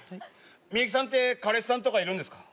ミユキさんって彼氏さんとかいるんですか？